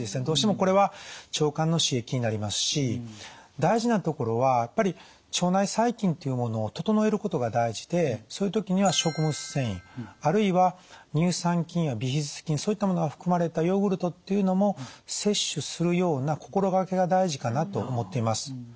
どうしてもこれは腸管の刺激になりますし大事なところはやっぱり腸内細菌というものを整えることが大事でそういう時には食物繊維あるいは乳酸菌やビフィズス菌そういったものが含まれたヨーグルトっていうのも摂取するような心がけが大事かなと思っています。